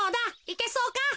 いけそうか？